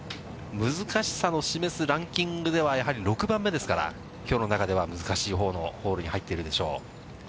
難しさを示すランキングでは、やはり６番目ですから、きょうの中では難しいほうのホールに入っているでしょう。